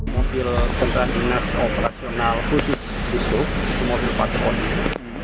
mobil kederaan dinas operasional khusus dishub mobil patroli